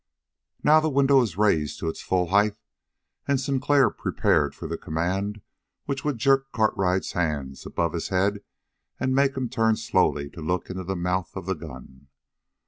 Now the window was raised to its full height, and Sinclair prepared for the command which would jerk Cartwright's hands above his head and make him turn slowly to look into the mouth of the gun.